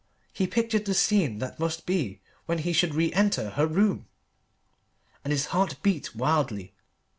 He pictured the scene that must be when he should re enter her room, and his heart beat wildly.